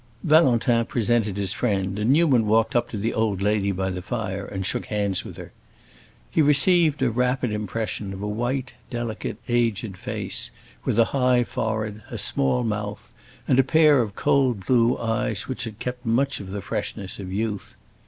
Valentin presented his friend, and Newman walked up to the old lady by the fire and shook hands with her. He received a rapid impression of a white, delicate, aged face, with a high forehead, a small mouth, and a pair of cold blue eyes which had kept much of the freshness of youth.